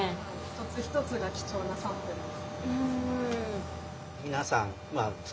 一つ一つが貴重なサンプルですね。